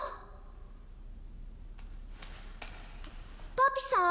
パピさん？